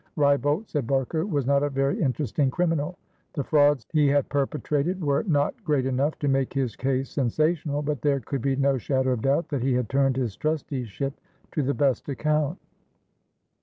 Wrybolt, said Barker, was not a very interesting criminal; the frauds he had perpetrated were not great enough to make his case sensational; but there could be no shadow of doubt that he had turned his trusteeship to the best account.